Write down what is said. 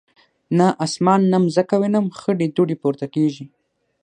نه اسمان نه مځکه وینم خړي دوړي پورته کیږي